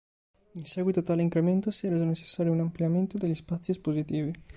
In seguito a tale incremento si è reso necessario un ampliamento degli spazi espositivi.